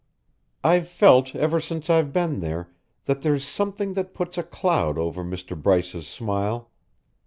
I've felt ever since I've been there that there's something that puts a cloud over Mr. Bryce's smile.